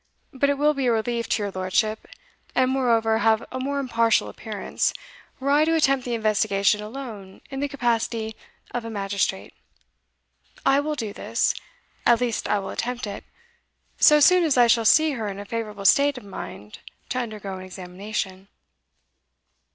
But it will be a relief to your lordship, and moreover have a more impartial appearance, were I to attempt the investigation alone in the capacity of a magistrate. I will do this at least I will attempt it, so soon as I shall see her in a favourable state of mind to undergo an examination."